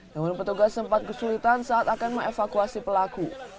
namun petugas sempat kesulitan saat akan me evakuasi pelaku